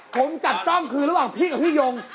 ผมจัดจ้องคือระหว่างพี่กับพี่ยง